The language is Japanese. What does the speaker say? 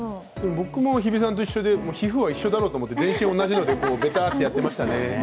僕も日比さんと一緒で皮膚は同じだろうと、全身、同じのでベターッとやってましたね。